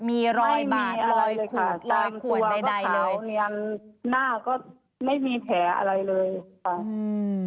มีรอยบาดรอยขูดรอยขวดใดใดเลยหน้าก็ไม่มีแผลอะไรเลยค่ะอืม